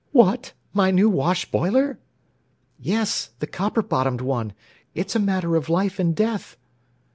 "What! My new wash boiler?" "Yes; the copper bottomed one. It's a matter of life and death!"